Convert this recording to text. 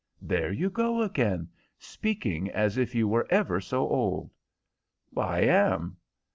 "There you go again, speaking as if you were ever so old." "I am."